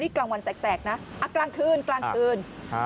กลางวันแสกนะกลางคืนกลางคืน